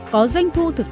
có doanh thu thực tế